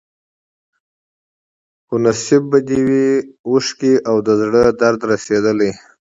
خو نصیب به دي وي اوښکي او د زړه درد رسېدلی